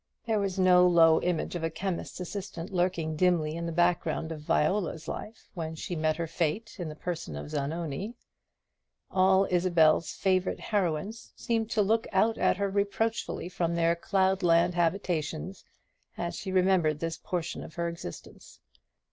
There was no low image of a chemist's assistant lurking dimly in the background of Viola's life when she met her fate in the person of Zanoni. All Isabel's favourite heroines seemed to look out at her reproachfully from their cloudland habitations, as she remembered this portion of her existence.